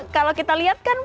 kalau kita lihat kan